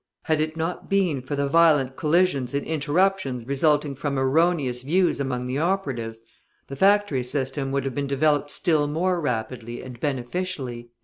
"Had it not been for the violent collisions and interruptions resulting from erroneous views among the operatives, the factory system would have been developed still more rapidly and beneficially."